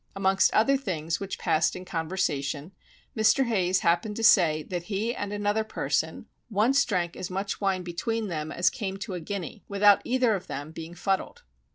Amongst other things which passed in conversation, Mr. Hayes happened to say that he and another person once drank as much wine between them as came to a guinea, without either of them being fuddled.